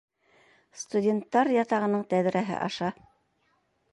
Студенттар ятағының тәҙрәһе аша!